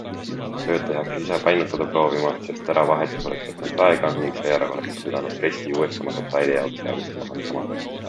Töötaja hakkas ise painutada proovima, sest tera vahetus oleks võtnud aega ning seejärel oleks ta pidanud pressi uuesti oma detaili jaoks seadistama hakkama.